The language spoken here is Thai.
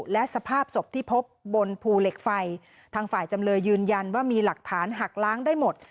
และสภาพศพที่พบบนภูเหล็กไฟทางฝ่ายจำเลยยืนยันว่ามีหลักฐานหักล้างได้หมด